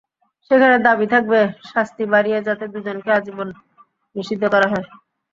সেখানে দাবি থাকবে, শাস্তি বাড়িয়ে যাতে দুজনকেই আজীবন নিষিদ্ধ করা হয়।